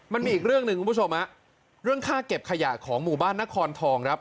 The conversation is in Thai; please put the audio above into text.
มันมีอีกเรื่องหนึ่งคุณผู้ชมฮะเรื่องค่าเก็บขยะของหมู่บ้านนครทองครับ